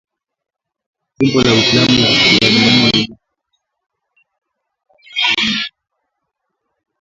Jimbo la Uislamu siku ya Jumanne lilidai kuhusika na shambulizi lililoua takribani raia kumi na watano.